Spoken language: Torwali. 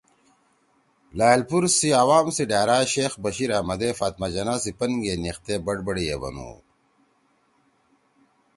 لائلپور سی عوام سی ڈھأرا شیخ بشیراحمد ئے فاطمہ جناح سی پن گے نیِختے بڑبڑ ئے بنُو